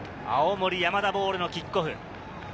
青森山田ボールのキックオフ。